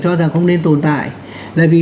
cho rằng không nên tồn tại là vì